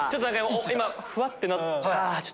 今ふわってなった。